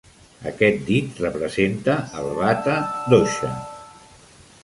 Aquest dit representa el Vata dosha.